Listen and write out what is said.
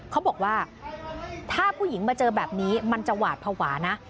เขาบอกว่าถ้าผู้หญิงมาเจอแบบนี้มันจะหวาดภาวะนะ